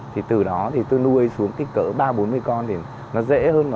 thì từ đó thì tôi nuôi xuống kích cỡ ba bốn mươi con thì nó dễ hơn